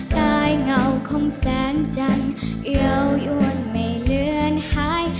ตายเงาของแสงจันทร์เอี่ยวอ้วนไม่เลือนหาย